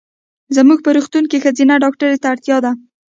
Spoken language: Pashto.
زمونږ په روغتون کې ښځېنه ډاکټري ته اړتیا ده.